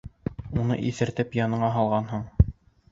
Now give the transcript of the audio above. Уны иҫертеп яныңа һалғанһың.